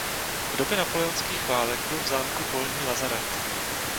V době napoleonských válek byl v zámku polní lazaret.